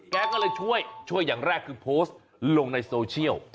แกก็เลยช่วยช่วยอย่างแรกคือโพสต์ลงในโซเชียล